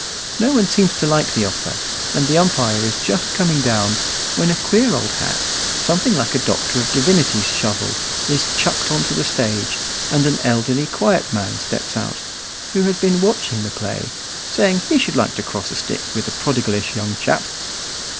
No one seems to like the offer, and the umpire is just coming down, when a queer old hat, something like a doctor of divinity's shovel, is chucked on to the stage and an elderly, quiet man steps out, who has been watching the play, saying he should like to cross a stick wi' the prodigalish young chap.